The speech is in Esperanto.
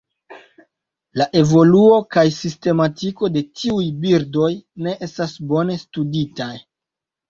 La evoluo kaj sistematiko de tiuj birdoj ne estas bone studitaj.